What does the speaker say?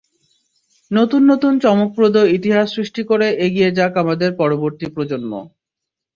নতুন নতুন চমকপ্রদ ইতিহাস সৃষ্টি করে এগিয়ে যাক আমাদের পরবর্তী প্রজন্ম।